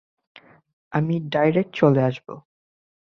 আমি ডাইরেক্ট চলে আসব।